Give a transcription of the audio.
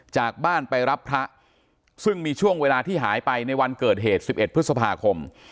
จากบ้านไปรับพระซึ่งมีช่วงเวลาที่หายไปในวันเกิดเหตุ๑๑พฤษภาคม